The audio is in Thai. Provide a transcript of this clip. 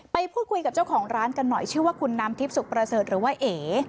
ไปพูดคุยกับเจ้าของร้านกันหน่อยชื่อว่าคุณน้ำทิพย์สุขประเสริฐหรือว่าเอ